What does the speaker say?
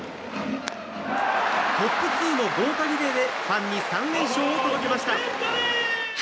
トップ２の豪華リレーでファンに３連勝を届けました。